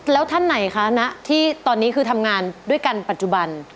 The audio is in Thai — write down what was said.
แล้วท่านไหนคะณที่ตอนนี้คือทำงานด้วยกันปัจจุบัน